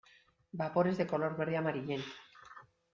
Vapores de color verde amarillento.